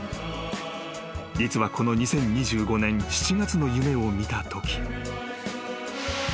［実はこの２０２５年７月の夢を見たとき］